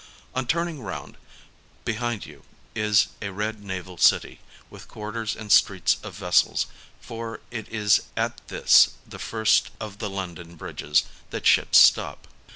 On turning round, behind you is a red naval city, with quarters and streets of vessels, for it is at this, the first of the London bridges, that ships stop.